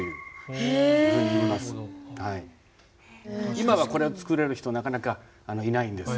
今はこれを作れる人なかなかいないんです。